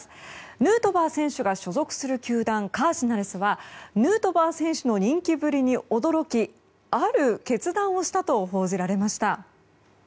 ヌートバー選手が所属する球団カージナルスはヌートバー選手の人気ぶりに驚きある決断をしたと報じられました。